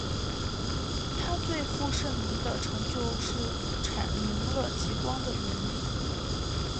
他最负盛名的成就是阐明了极光的原理。